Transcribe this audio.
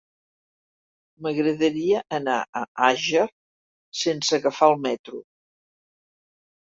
M'agradaria anar a Àger sense agafar el metro.